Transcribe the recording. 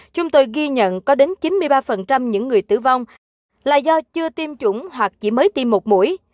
chúng tôi ghi nhận có đến chín mươi ba những người tử vong là do chưa tiêm chủng hoặc chỉ mới tiêm một mũi